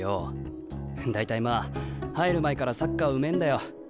大体まあ入る前からサッカーうめえんだよ。